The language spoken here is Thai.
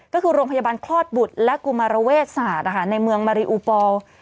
ก็คือโรงพยาบาลคลอดบุตรและกุมารเวชศาสตร์ในเมืองมาริอูปอล